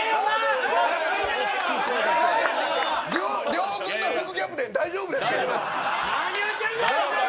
両軍の副キャプテン大丈夫ですか。